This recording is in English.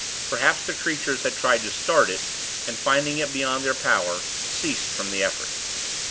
Perhaps the creatures had tried to 'start' it, and, finding it beyond their power, ceased from the effort.